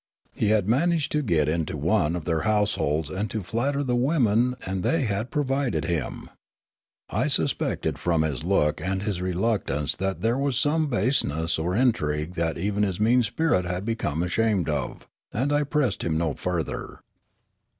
He had managed to get into one of their households and to flatter the women and they had pro vided him. I suspected from his look and his reluct ance that there was some baseness or intrigue that even his mean spirit had become ashamed of, and I pressed him no further.